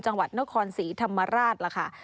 จังหวัดนครศรีธรรมราชล่ะค่ะ